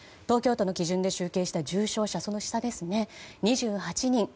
東京都の基準で集計した重症者は２８人。